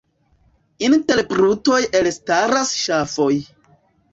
Inter brutoj elstaras ŝafoj.